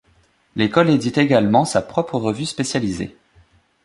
L'école édite également sa propre revue spécialisée.